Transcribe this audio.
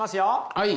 はい。